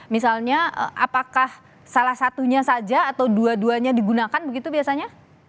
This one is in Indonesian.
misalnya apakah salah satunya saja atau dua duanya digunakan begitu biasanya